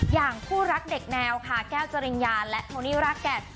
อย่างคู่รักเด็กแนวค่ะแก้วจริญญาและโทนี่รากแก่น